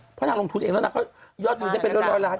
เพราะนางลงทุนเองแล้วนางเขายอดหนึ่งได้เป็นร้อยละ